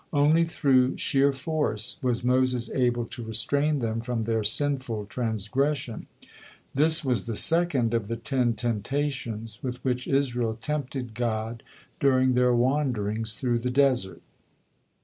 Only through sheer force was Moses able to restrain them from their sinful transgression. This was the second of the ten temptations with which Israel tempted God during their wanderings through the desert.